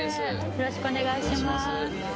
よろしくお願いします。